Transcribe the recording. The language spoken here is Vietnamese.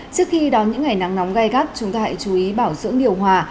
trước khi đón những ngày nắng nóng gai gắt chúng ta hãy chú ý bảo dưỡng điều hòa